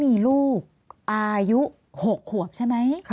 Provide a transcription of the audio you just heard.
มีลูกอายุ๖ขวบใช่ไหม